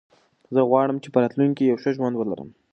زه غواړم چې په راتلونکي کې یو ښه ژوند ولرم.